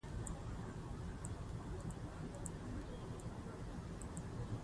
د ماراتون منډهوهونکي ورو فایبرونه لري.